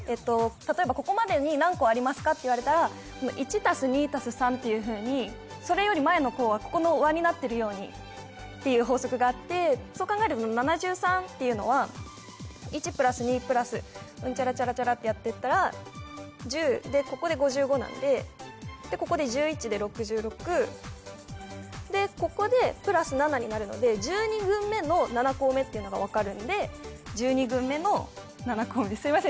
例えばここまでに何個ありますかって言われたら１＋２＋３っていうふうにそれより前の項はここの和になってるようにっていう法則があってそう考えると７３っていうのは１＋２＋ウンチャラチャラチャラってやってたら１０でここで５５なんででここで１１で６６でここで＋７になるので１２群目の７項目っていうのがわかるんで１２群目の７項目すいません